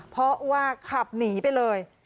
เพราะว่าขับหนีไปเลย